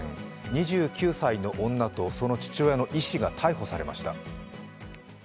２９歳の女とその父親の医師が逮捕されました。